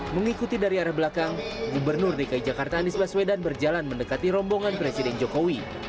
mengikuti dari arah belakang gubernur dki jakarta anies baswedan berjalan mendekati rombongan presiden jokowi